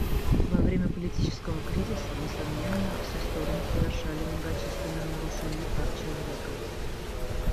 Во время политического кризиса, несомненно, все стороны совершали многочисленные нарушения прав человека.